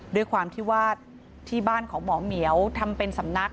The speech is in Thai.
ด้วยความที่ว่าที่บ้านของหมอเหมียวทำเป็นสำนัก